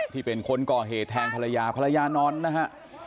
ที่เป็นคนก่อเหตุแทนภรรยานอนนะฮะ